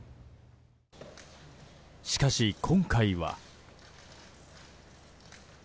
しかし、今回は。